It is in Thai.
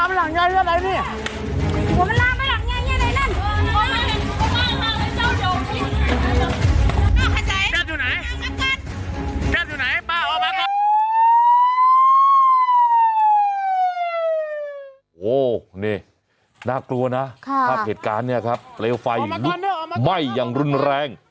โอ้โหน่ากลัวนี่น่ากลัวนะภาพเหตุการณ์เนี่ยครับเปลวไฟไหม้อย่างรุนแรง